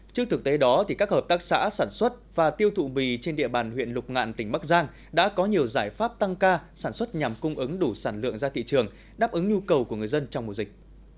trước thực tế đó các hợp tác xã sản xuất và tiêu thụ mì trên địa bàn huyện lục ngạn tỉnh bắc giang đã có nhiều giải pháp tăng ca sản xuất nhằm cung ứng đủ sản lượng ra thị trường đáp ứng nhu cầu của người dân trong mùa dịch